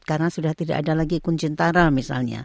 karena sudah tidak ada lagi kuncintara misalnya